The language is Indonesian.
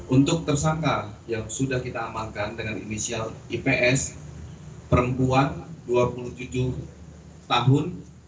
untuk tersangka yang sudah kita amankan dengan inisial ips perempuan dua puluh tujuh tahun